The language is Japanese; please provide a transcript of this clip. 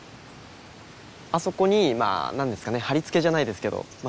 あそこにまあ何ですかねはりつけじゃないですけどまあ